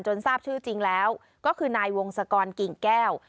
ทราบชื่อจริงแล้วก็คือนายวงศกรกิ่งแก้ว